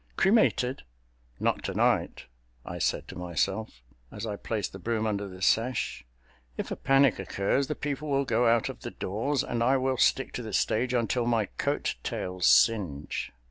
"Cremated? Not tonight!" I said to myself, as I placed the broom under the sash. "If a panic occurs, the people will go out of the doors and I will stick to the stage until my coat tails singe.